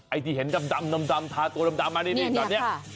ไอ้ที่เห็นดำทาตัวดำมานิดนึง